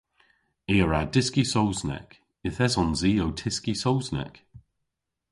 I a wra dyski Sowsnek. Yth esons i ow tyski Sownsnek.